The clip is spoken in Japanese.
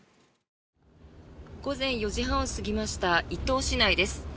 午前４時半を過ぎました伊東市内です。